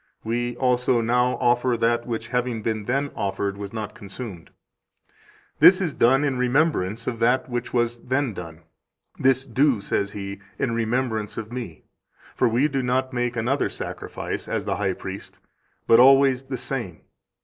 We also now offer that which, having been then offered, was not consumed. This is done in remembrance of that which was then done. 'This do,' says He, 'in remembrance of Me.' For we do not make another sacrifice, as the high priest, but always the same.